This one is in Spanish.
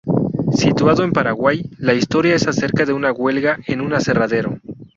Situado en Paraguay, la historia es acerca de una huelga en un aserradero.